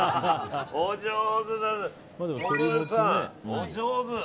お上手。